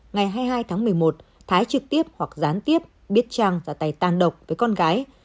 ngày hai mươi hai tháng một mươi một thái trực tiếp hoặc gián tiếp biết trang và tay tàn độc với con gái